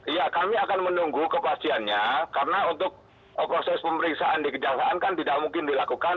iya kami akan menunggu kepastiannya karena untuk proses pemeriksaan dikejaksaan kan tidak mungkin dilakukan